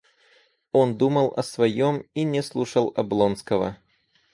Он думал о своем и не слушал Облонского.